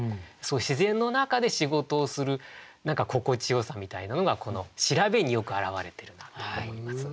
自然の中で仕事をする何か心地よさみたいなのがこの調べによく表れてるなと思います。